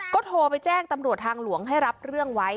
ก็โทรไปแจ้งตำรวจทางหลวงให้รับเรื่องไว้